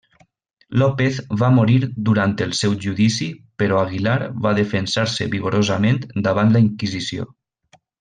López va morir durant el seu judici però Aguilar va defensar-se vigorosament davant la Inquisició.